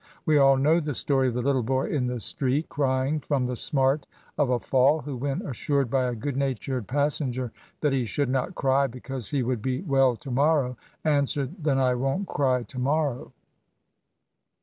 We all know the story of the Uttle boy in the street, crying firom the smart of a &11, who, when assured by a good natured pas senger that he should not cry, because he would be well to morrow, answered, *' Then I won't cry to morrow.'